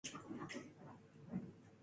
"Calypso" remained in disrepair.